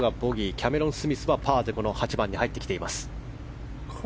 キャメロン・スミスがパーで８番に入ってきています。